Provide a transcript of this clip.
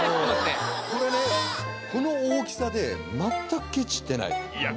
これねこの大きさで全くケチってないいや